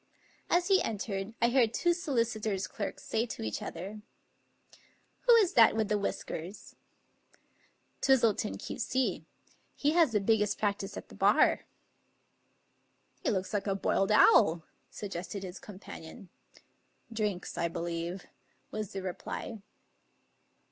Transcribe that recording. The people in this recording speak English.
As he entered I heard two solicitors' clerks say to each other: " Who is that with the whiskers? " "Twistleton, Q.C.; he has the biggest practice at the bar." " He looks like a boiled owl," suggested his companion. " Drinks, I believe," was the reply.